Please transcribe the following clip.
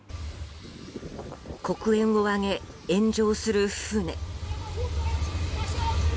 黒煙を上げ、炎上する船。